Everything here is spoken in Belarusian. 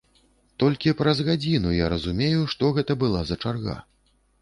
Толькі праз гадзіну я разумею, што гэта была за чарга.